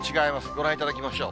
ご覧いただきましょう。